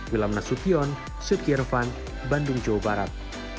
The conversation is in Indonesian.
wilamnasution syed kiervan bandung jawa barat